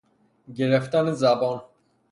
گرفتن زبان